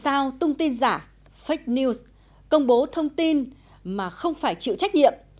giao thông tin giả fake news công bố thông tin mà không phải chịu trách nhiệm